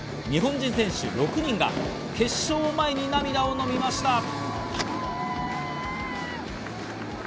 日本人選手６人が決勝を前に涙をのみました。